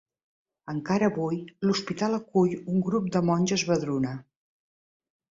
Encara avui l'Hospital acull un grup de monges Vedruna.